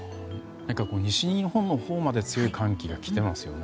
西日本のほうまで強い寒気が来ていますよね。